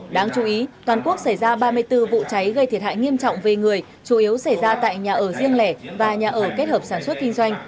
đáng chú ý toàn quốc xảy ra ba mươi bốn vụ cháy gây thiệt hại nghiêm trọng về người chủ yếu xảy ra tại nhà ở riêng lẻ và nhà ở kết hợp sản xuất kinh doanh